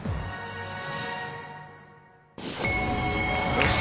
よし。